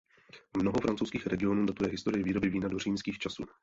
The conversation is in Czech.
Mnoho francouzských regionů datuje historii výroby vína do římských časů.